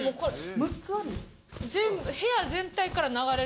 ６つある。